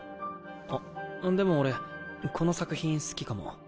あっでも俺この作品好きかも。